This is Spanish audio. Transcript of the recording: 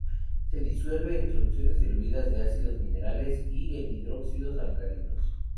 Se disuelve en soluciones diluidas de ácidos minerales y en hidróxidos alcalinos.